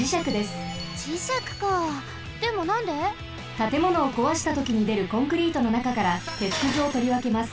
たてものをこわしたときにでるコンクリートのなかからてつくずをとりわけます。